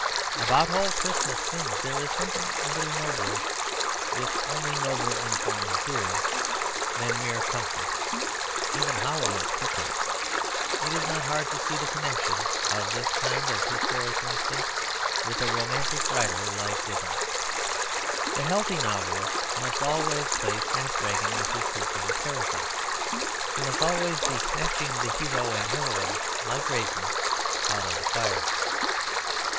About all Christmas things there is something a little nobler, if only nobler in form and theory, than mere comfort; even holly is prickly. It is not hard to see the connection of this kind of historic instinct with a romantic writer like Dickens. The healthy novelist must always play snapdragon with his principal characters; he must always be snatching the hero and heroine like raisins out of the fire.